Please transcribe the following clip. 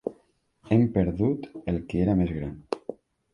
Hem perdut el que era més gran.